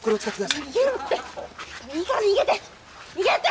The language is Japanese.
いいから逃げて！